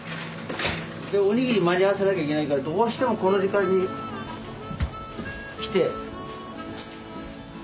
おにぎり間に合わせなきゃいけないからどうしてもこの時間に来て。